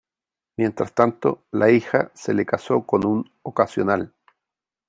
Mientras tanto, la hija se le casó con un ocasional.